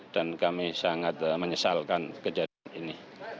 dan kami sangat menyesalkan kejadian ini